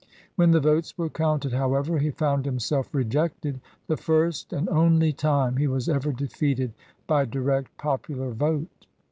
When the votes were counted, however, he found him self rejected— the first and only time he was ever defeated by direct popular vote.